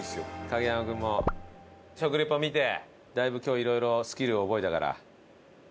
影山君も食リポ見てだいぶ今日色々スキルを覚えたから。